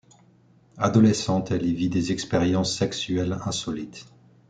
Adolescente, elle y vit des expériences sexuelles insolites.